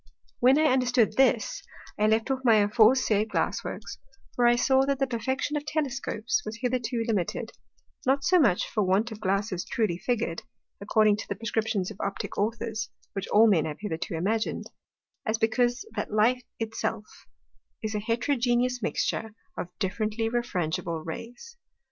When I understood this, I left off my aforesaid Glass Works; for I saw, that the perfection of Telescopes was hitherto limited, not so much for want of Glasses truly figur'd, according to the prescriptions of Optick Authors (which all Men have hitherto imagin'd), as because that Light it self is a Heterogeneous mixture of differently refrangible Rays.